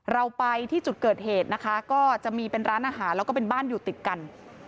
เราไปที่จุดเกิดเหตุนะคะก็จะมีเป็นร้านอาหารแล้วก็เป็นบ้านอยู่ติดกัน